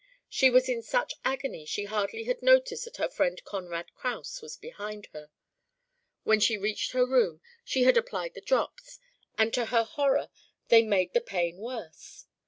She was in such agony she hardly had noticed that her friend Conrad Kraus was behind her. When she reached her room she had applied the drops, and to her horror they made the pain worse.